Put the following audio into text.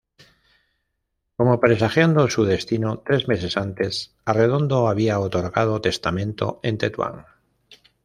Como presagiando su destino, tres meses antes Arredondo había otorgado testamento en Tetuán.